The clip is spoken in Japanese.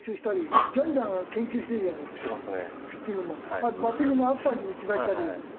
あとバッティングもアッパーに打ちだしたり。